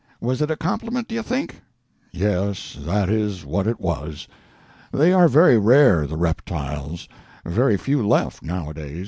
Was it a compliment, do you think?" "Yes, that is what it was. They are very rare, the reptiles; very few left, now a days."